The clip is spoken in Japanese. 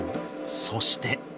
そして。